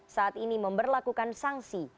saat ini memperlakukan sanksi